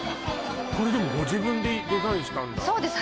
これでもご自分でデザインしたんだそうです